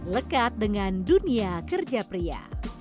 lekat dengan dunia kerja pria